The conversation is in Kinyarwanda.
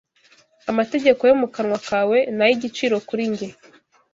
Amategeko yo mu kanwa kawe ni ay’igiciro kuri jye